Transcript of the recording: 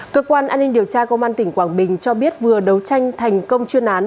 cơ quan an ninh điều tra công an tỉnh quảng bình cho biết vừa đấu tranh thành công chuyên án